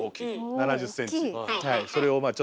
７０ｃｍ。